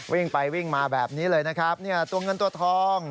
วิ่งไปวิ่งมาแบบนี้เลยนะครับเนี่ยตัวเงินตัวทอง